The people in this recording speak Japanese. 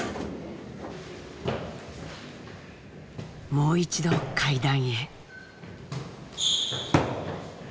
もう一度階段へ。